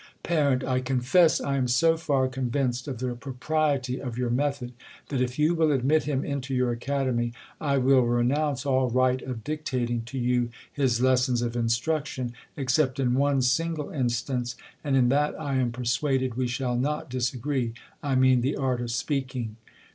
. Par, I confess I am so far convinced of the propri ety of your method, that, if you will admit him into your Academy, I will renounce all right of dictating to you his lessons of instruction, except in one single in stance ; and in that I am persuaded we shall not disa gree ; I mean the art of speaking.